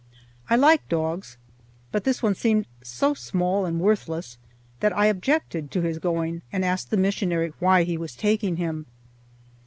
I like dogs, but this one seemed so small and worthless that I objected to his going, and asked the missionary why he was taking him.